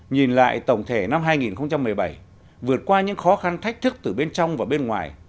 nhìn lại tổng thể năm hai nghìn một mươi bảy vượt qua những khó khăn thách thức từ bên trong và bên ngoài